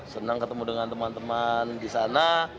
senang ketemu dengan teman teman di sana